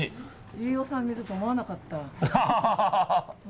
飯尾さんいると思わなかったわ。